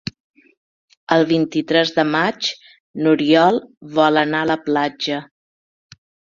El vint-i-tres de maig n'Oriol vol anar a la platja.